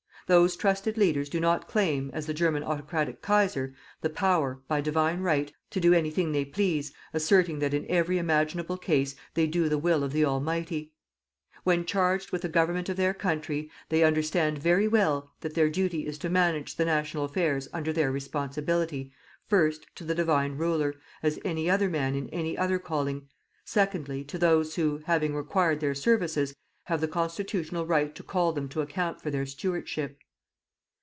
Those trusted leaders do not claim, as the German autocratic Kaiser, the power, by Divine Right, to do anything they please, asserting that in every imaginable case they do the will of the Almighty. When charged with the Government of their country, they understand very well that their duty is to manage the national affairs under their responsibility, first, to the Divine Ruler, as any other man in any other calling; secondly, to those who, having required their services, have the constitutional right to call them to account for their stewardship.